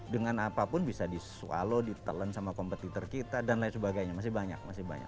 dengan apapun bisa di swallow di telan sama kompetitor kita dan lain sebagainya masih banyak